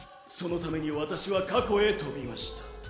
そのために私は過去へ飛びました。